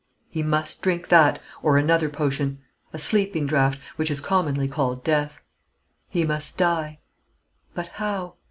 He must drink that, or another potion, a sleeping draught, which is commonly called Death. He must die! But how?